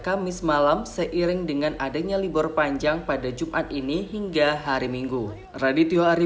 kamis malam seiring dengan adanya libur panjang pada jumat ini hingga hari minggu radityo ari